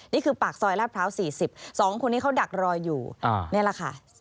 นี่คือปากซอยลาดพร้าว๔๐๒คนนี้เขาดักรออยู่นี่แหละค่ะ